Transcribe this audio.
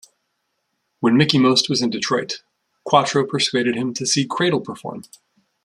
When Mickie Most was in Detroit, Quatro persuaded him to see Cradle perform.